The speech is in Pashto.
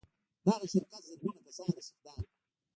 دغه شرکت زرګونه کسان استخدام کړل